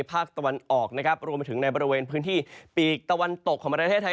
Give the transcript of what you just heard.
ภาคตะวันออกนะครับรวมไปถึงในบริเวณพื้นที่ปีกตะวันตกของประเทศไทย